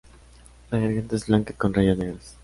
La garganta es blanca con rayas negras.